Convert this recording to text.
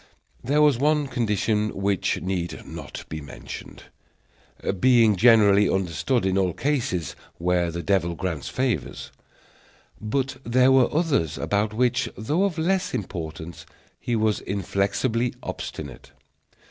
There was one condition which need not be mentioned, being generally understood in all cases where the devil grants favors; but there were others about which, though of less importance, he was inflexibly obstinate.